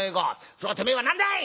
それをてめえは何だい！